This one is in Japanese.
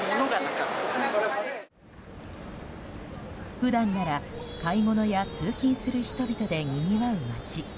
普段なら、買い物や通勤する人々でにぎわう街。